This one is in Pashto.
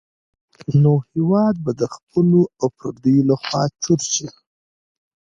نو هېواد به د خپلو او پردیو لخوا چور شي.